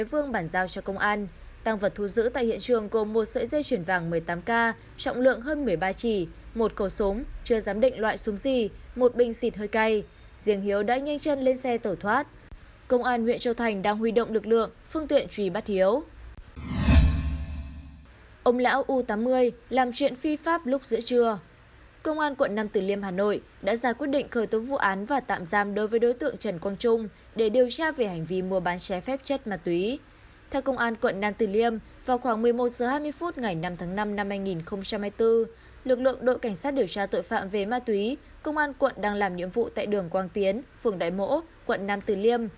quận nam từ liêm vào khoảng một mươi một h hai mươi phút ngày năm tháng năm năm hai nghìn hai mươi bốn lực lượng đội cảnh sát điều tra tội phạm về ma túy công an quận đang làm nhiệm vụ tại đường quang tiến phường đại mỗ quận nam từ liêm